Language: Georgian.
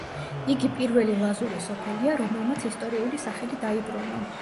იგი პირველი ლაზური სოფელია, რომელმაც ისტორიული სახელი დაიბრუნა.